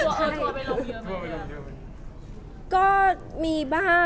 ทัวร์ไปเร็วไปเร็ว